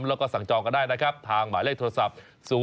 แล้วก็สั่งจองกันได้นะครับทางหมายเลขโทรศัพท์